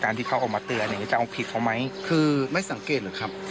ที่เขาออกมาเตือนอย่างนี้จะเอาผิดเขาไหมคือไม่สังเกตหรือครับ